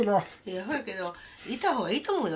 そうやけど行った方がいいと思うよ